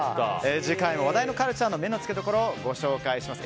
次回も話題のカルチャーの目のつけどころをご紹介します。